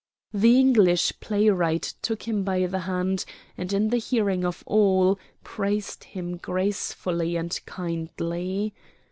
The great English playwright took him by the hand and in the hearing of all, praised him gracefully and kindly.